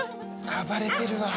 暴れてるわ。